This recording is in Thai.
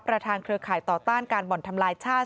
เครือข่ายต่อต้านการบ่อนทำลายชาติ